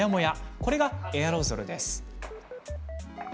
これがエアロゾルです。